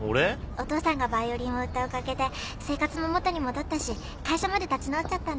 お父さんがバイオリンを売ったお陰で生活も元に戻ったし会社まで立ち直っちゃったんです。